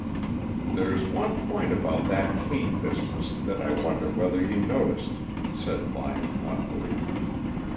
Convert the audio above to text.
"There's one point about that cane business that I wonder whether you noticed," said Lyon, thoughtfully.